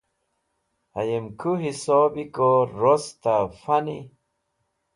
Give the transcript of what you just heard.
Hẽyem kuẽ hisobi ko rosta fani?